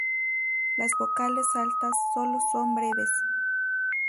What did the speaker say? Las vocales ¨altas¨ sólo son breves.